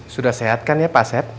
sudah sehat kan ya pak asep